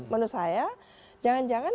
menurut saya jangan jangan